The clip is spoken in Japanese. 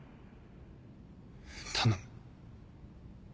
頼む。